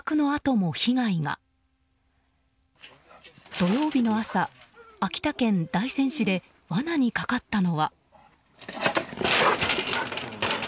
土曜日の朝、秋田県大仙市で罠にかかったのは。